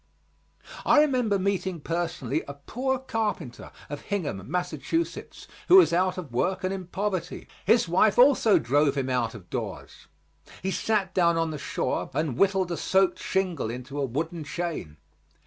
I remember meeting personally a poor carpenter of Hingham, Massachusetts, who was out of work and in poverty. His wife also drove him out of doors. He sat down on the shore and whittled a soaked shingle into a wooden chain.